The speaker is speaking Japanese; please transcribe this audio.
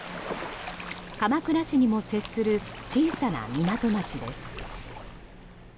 鎌倉市にも接する小さな港町です。